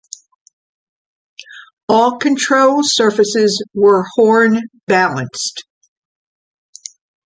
All control surfaces were horn balanced.